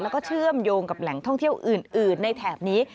แล้วก็เชื่อมโยงกับแหล่งท่องเที่ยวอื่นในแถบนี้